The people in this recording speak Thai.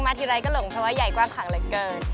มาที่รายกระโหล่งเท่าว่าใหญ่กว้างคลักอะไรเกิน